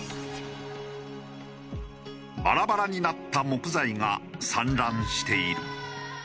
バラバラになった木材が散乱している。